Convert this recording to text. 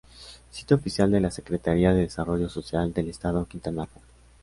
Sitio oficial de la Secretaría de Desarrollo Social del Estado Quintana Roo